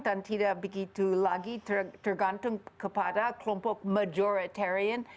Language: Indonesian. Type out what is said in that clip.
dan tidak begitu lagi tergantung kepada kelompok kelompok yang berada di luar negara